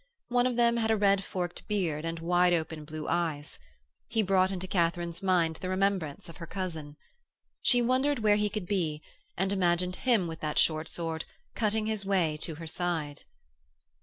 One of them had a red forked beard and wide open blue eyes. He brought into Katharine's mind the remembrance of her cousin. She wondered where he could be, and imagined him with that short sword, cutting his way to her side.